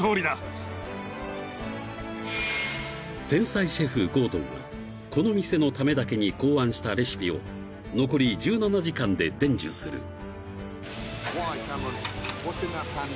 ［天才シェフゴードンがこの店のためだけに考案したレシピを残り１７時間で伝授する］